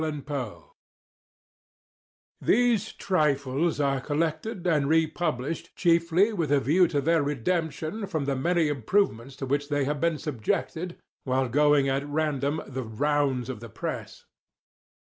PREFACE These trifles are collected and republished chiefly with a view to their redemption from the many improvements to which they have been subjected while going at random the "rounds of the press."